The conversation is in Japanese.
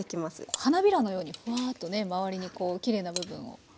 花びらのようにふわっとね周りにきれいな部分を。